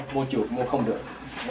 mua chuột mua không được